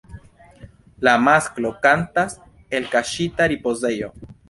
La masklo kantas el kaŝita ripozejo.